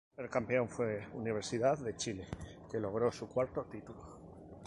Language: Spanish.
El campeón fue Universidad de Chile que logró su cuarto título.